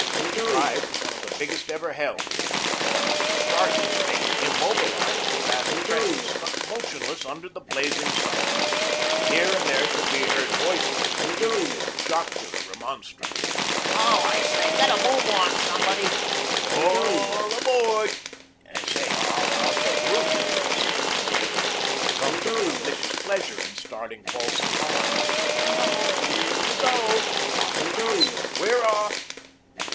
The drive was one of the largest ever held. But no start was made; immobilized, the vast crescent stuck motionless under the blazing sun. Here and there could be heard voices uplifted in jocular remonstrance. "Oh, I say, get a move on, somebody." "ALL aboard." "Say, I'll take root here pretty soon." Some took malicious pleasure in starting false alarms. "Ah, HERE we go." "Off, at last." "We're off."